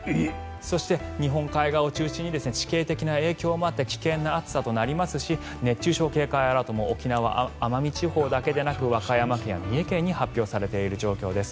そして、日本海側を中心に地形的な影響もあって危険な暑さとなりますし熱中症警戒アラートも沖縄、奄美地方だけでなく和歌山県や三重県に発表されている状況です。